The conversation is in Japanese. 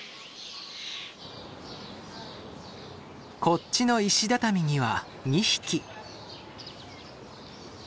こっちの石畳には２匹。